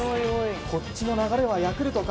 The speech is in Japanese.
こっちの流れはヤクルトか？